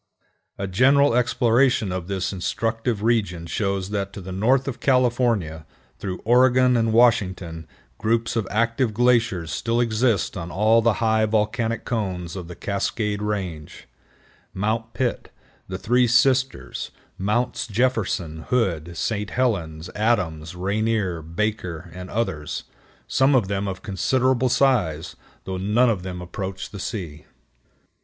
A general exploration of this instructive region shows that to the north of California, through Oregon and Washington, groups of active glaciers still exist on all the high volcanic cones of the Cascade Range,—Mount Pitt, the Three Sisters, Mounts Jefferson, Hood, St. Helens, Adams, Rainier, Baker, and others,—some of them of considerable size, though none of them approach the sea.